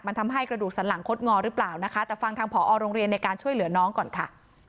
มันทำให้กระดูกสันหลังคดงอหรือเปล่านะคะแต่ฟังทางผอโรงเรียนในการช่วยเหลือน้องก่อนค่ะ